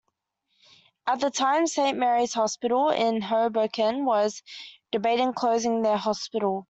At the time, Saint Mary's Hospital in Hoboken was debating closing their hospital.